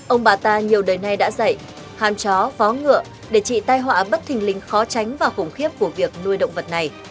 ông bà ta nhiều đời nay đã dạy hàm chó vó ngựa để trị tai họa bất thình linh khó tránh và khủng khiếp của việc nuôi động vật này